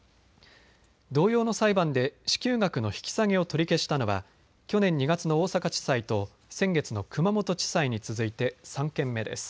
同様の裁判で支給額の引き下げを取り消したのは去年２月の大阪地裁と先月の熊本地裁に続いて３件目です。